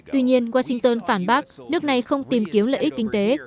tuy nhiên washington phản bác nước này không tìm kiếm lợi ích kinh tế